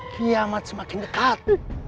kiamat semakin dekat